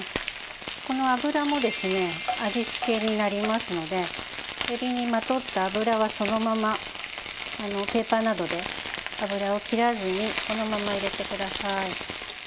この油もですね味付けになりますのでエビにまとった油はそのままペーパーなどで油を切らずにこのまま入れてください。